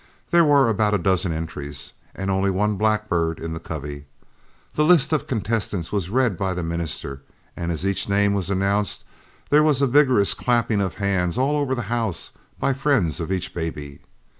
There were about a dozen entries, and only one blackbird in the covey. The list of contestants was read by the minister, and as each name was announced, there was a vigorous clapping of hands all over the house by the friends of each baby.